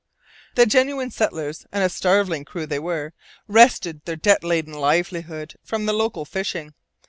The genuine settlers and a starveling crew they were wrested their debt laden livelihood from the local fishing.